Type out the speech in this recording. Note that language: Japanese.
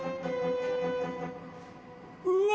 うわ！